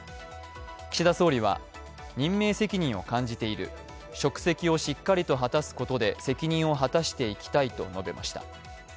岸田総理は、任命責任を感じている、職責をしっかりと果たすことで責任を果たしていきたいと述べました。